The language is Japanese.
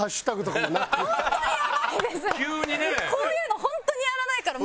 こういうのホントにやらないからマジでなんか。